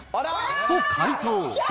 と回答。